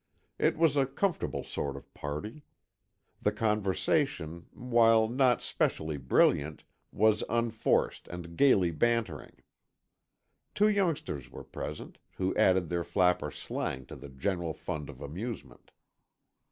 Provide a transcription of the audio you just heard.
It was a comfortable sort of party. The conversation, while not specially brilliant, was unforced and gayly bantering. Two youngsters were present, who added their flapper slang to the general fund of amusement.